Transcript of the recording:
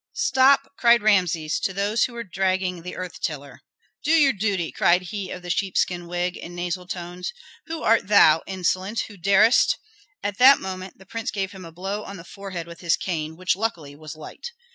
"Stop!" cried Rameses to those who were dragging the earth tiller. "Do your duty!" cried he of the sheepskin wig, in nasal tones. "Who art thou, insolent, who darest " At that moment the prince gave him a blow on the forehead with his cane, which luckily was light.